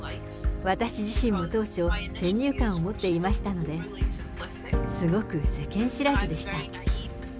私自身も当初、先入観を持っていましたので、すごく世間知らずでした。